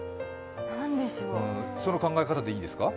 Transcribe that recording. その考え方でいいですか？